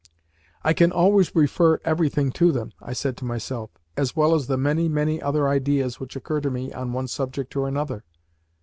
"I can always refer everything to them," I said to myself, "as well as the many, many other ideas which occur to me on one subject or another."